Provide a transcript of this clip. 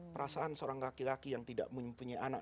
perasaan seorang laki laki yang tidak mempunyai anak